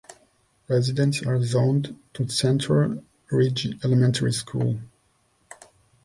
Residents are zoned to Central Ridge Elementary School.